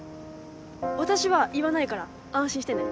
私は言わないから安心してね。